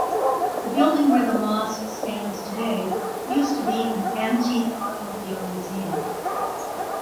The building where the mosque stands today used to be an antique automobile museum.